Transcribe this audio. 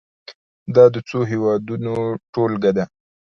دا د څو هېوادونو ټولګه ده.